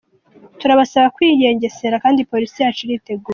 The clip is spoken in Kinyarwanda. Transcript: Turabasaba kwigengesera kandi polisi yacu iriteguye”